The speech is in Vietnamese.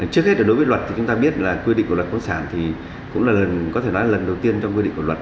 trước hết là đối với luật thì chúng ta biết là quy định của luật quân sản thì cũng là lần có thể nói là lần đầu tiên trong quy định của luật